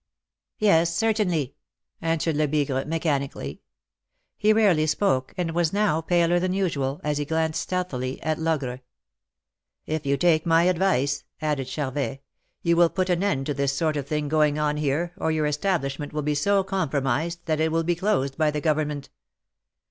"Yes, certainly," answered Lebigre, mechanically. He rarely spoke, and was now paler than usual, as he glanced stealthily at Logre. "If you take my advice," added Charvet, "you will put an end to this sort of thing going on here, or your establishment will be so compromised that it will be closed by the government."